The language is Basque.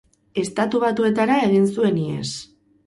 Estatu Batuetara egin zuen ihes.